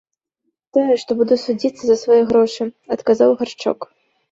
— Тое, што буду судзіцца за свае грошы, — адказаў Гаршчок.